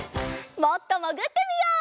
もっともぐってみよう。